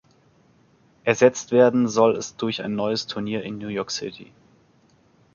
Ersetzt werden soll es durch ein neues Turnier in New York City.